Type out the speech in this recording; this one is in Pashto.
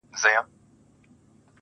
ځوان لکه مړ چي وي,